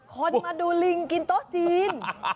คนมาดูลิงกินโต๊ะจีน